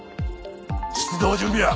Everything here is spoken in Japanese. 出動準備や。